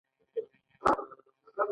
په ایران کې د بزګرانو پاڅونونه وشول.